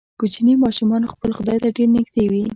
کوچني ماشومان خپل خدای ته ډیر نږدې وي.